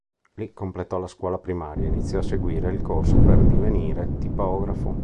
Lì completò la scuola primaria e iniziò a seguire il corso per divenire tipografo.